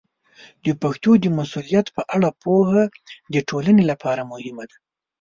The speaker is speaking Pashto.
د پښتو د مسوولیت په اړه پوهه د ټولنې لپاره مهمه ده.